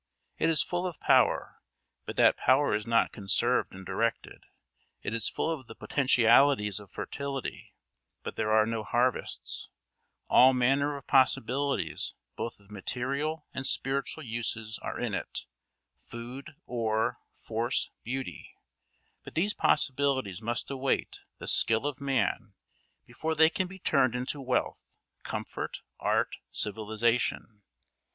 It is full of power, but that power is not conserved and directed, it is full of the potentialities of fertility, but there are no harvests; all manner of possibilities both of material and spiritual uses are in it, food, ore, force, beauty, but these possibilities must await the skill of man before they can be turned into wealth, comfort, art, civilisation.